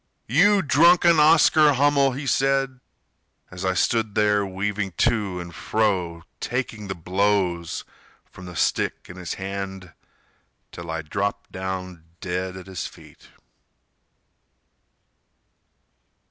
"You drunken Oscar Hummel," he said, As I stood there weaving to and fro, Taking the blows from the stick in his hand Till I dropped down dead at his feet.